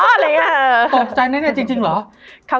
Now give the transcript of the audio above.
มันทำให้ชีวิตผู้มันไปไม่รอด